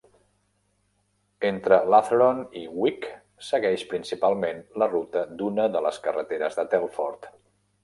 Entre Latheron i Wick segueix, principalment, la ruta d'una de les carreteres de Telford.